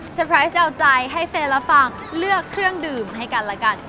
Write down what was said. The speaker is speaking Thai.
เฉพาะร้านเต๋วใจให้เฟ่และฟังเลือกเครื่องดื่มให้กันแล้วกัน